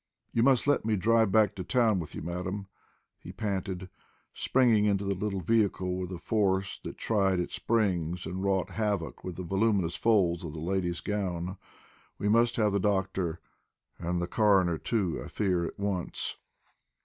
"You must let me drive back to town with you, madam," he panted, springing into the little vehicle with a force that tried its springs and wrought havoc with the voluminous folds of the lady's gown. "We must have the doctor, and the coroner, too, I fear at once!"